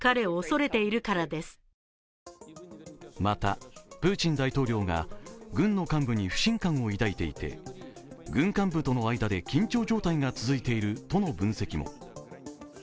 また、プーチン大統領が軍の幹部に不信感を抱いていて軍幹部との間で緊張状態が続いているとの分析も。